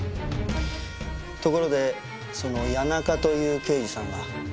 ところでその谷中という刑事さんは？